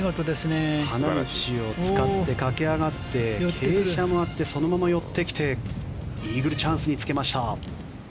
花道を使って駆け上がって傾斜もあってそのまま寄ってきてイーグルチャンスにつけました。